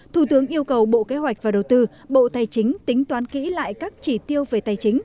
thủ tướng yêu cầu bộ kế hoạch và đầu tư bộ tài chính tính toán kỹ lại các chỉ tiêu về tài chính